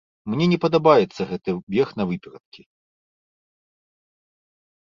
Мне не падабаюцца гэты бег навыперадкі.